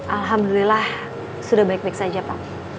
alhamdulillah sudah baik baik saja pak